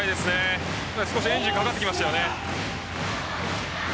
少しエンジンかかってきましたよね。